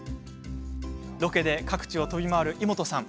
ロケで各地を飛び回るイモトさん